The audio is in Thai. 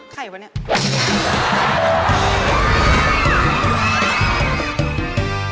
ใครวะนี่